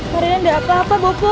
farida tidak apa apa bopo